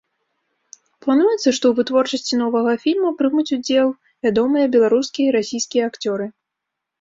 Плануецца, што ў вытворчасці новага фільма прымуць удзел вядомыя беларускія і расійскія акцёры.